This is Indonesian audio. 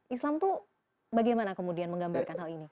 islam itu bagaimana kemudian menggambarkan hal ini